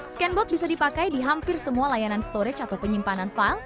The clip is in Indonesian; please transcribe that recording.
scanboat bisa dipakai di hampir semua layanan storage atau penyimpanan file